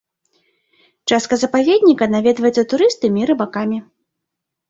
Частка запаведніка наведваецца турыстамі і рыбакамі.